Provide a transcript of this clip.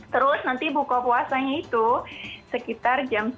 terus nanti buka puasanya itu sekitar jam sembilan dua belas